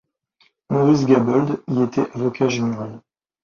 Maurice Gabolde y était avocat général.